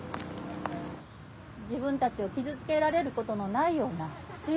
自分たちを傷つけられることのないような。